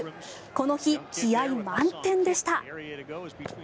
この日、気合満点でした。